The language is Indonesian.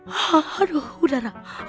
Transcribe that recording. hanya karena gue udah pernah nikah